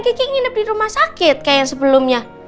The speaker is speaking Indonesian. kiki nginep di rumah sakit kayak sebelumnya